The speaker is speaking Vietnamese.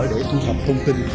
để thu thầm thông tin